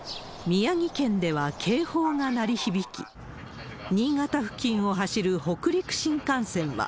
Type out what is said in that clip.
宮城県では警報が鳴り響き、新潟付近を走る北陸新幹線は。